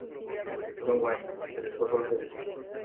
John Wayne se interesó por los derechos.